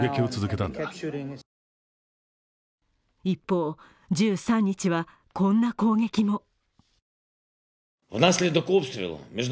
一方、１３日はこんな攻撃も。